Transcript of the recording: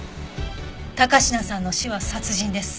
高階さんの死は殺人です。